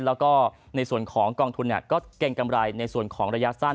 แล้วก็ในส่วนของกองทุนก็เกรงกำไรในส่วนของระยะสั้น